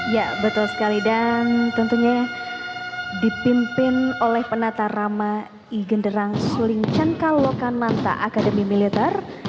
ya betul sekali dan tentunya dipimpin oleh penata rama igenderang suling cangkal lokananta akademi militer